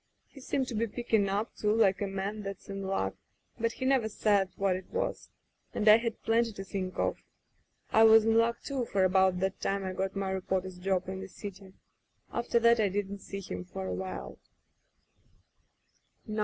He seemed to be picking up, too, like a man that's in luck, but he never said what it was, and I had plenty to think of. I was in luck, too, for about that time I got my reporter's job in the city. After that I didn't see him for awhile.